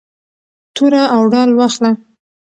توره او ډال واخله.